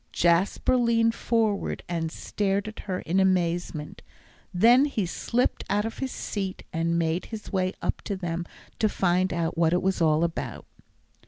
Jasper leaned forward and stared at her in amazement. Then he slipped out of his seat, and made his way up to them to find out what it was all about.